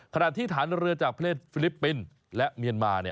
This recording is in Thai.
ขณะที่ฐานเรือจากเพศฟิลิปปินส์และเมียนมา